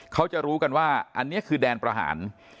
เขาจะรู้กันว่าอันนี้คือแดนประหาร